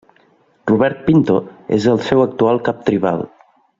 Robert Pinto és el seu actual cap tribal.